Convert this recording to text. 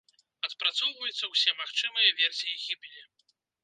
Адпрацоўваюцца ўсе магчымыя версіі гібелі.